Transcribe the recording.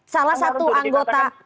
salah satu anggota